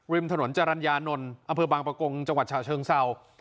ริมถนนจรรยานนท์อำเภอบางประกงจังหวัดฉะเชิงเศร้า